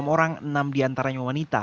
dua puluh enam orang enam diantaranya wanita